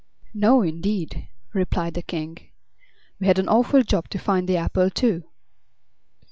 "No, indeed," replied the King. "We had an awful job to find the apple, too."